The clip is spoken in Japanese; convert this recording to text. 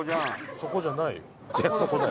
そこじゃないよ。